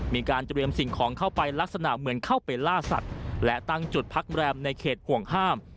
มีการเตรียมสิ่งของเข้าไปลักษณะเหมือนเข้าไปล่าสัตว์และตั้งจุดพักแรมในเขตห่วงห้าม